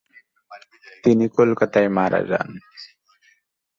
তিনি কলকাতায় মারা যান।